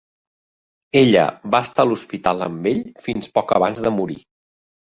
Ella va estar a l'hospital amb ell, fins poc abans de morir.